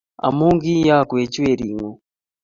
Amu ki'yokwech We-ring'ung'